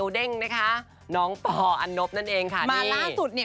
ที่แจ็คเพลงของเขาเนี่ย